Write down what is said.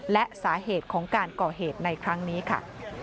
และสาเหตุของการก่อเหตุในครั้งนี้ค่ะ